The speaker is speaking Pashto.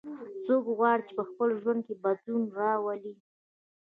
څوک غواړي چې په خپل ژوند کې بدلون راولي